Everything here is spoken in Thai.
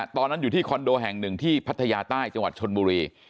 ตอนนั้นอยู่ที่คอนโดแห่งหนึ่งที่พัทยาใต้จังหวัดชนบุรี